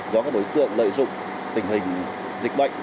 do các đối tượng lợi dụng tình hình dịch bệnh